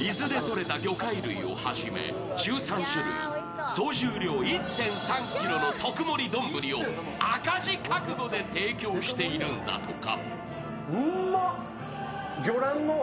伊豆でとれた魚介類をはじめ１３種類、総重量１．３ｋｇの特盛り丼を赤字覚悟で提供しているんだとか。